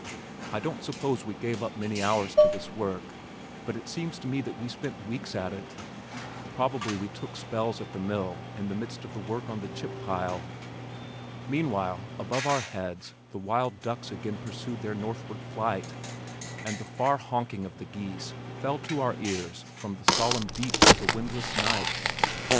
I don't suppose we gave up many hours to this work, but it seems to me that we spent weeks at it. Probably we took spells at the mill in the midst of the work on the chip pile. Meanwhile, above our heads the wild ducks again pursued their northward flight, and the far honking of the geese fell to our ears from the solemn deeps of the windless night.